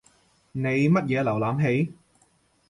你乜嘢瀏覽器？